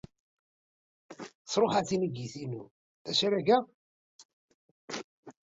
Sṛuḥeɣ tinigit-inu. D acu ara geɣ?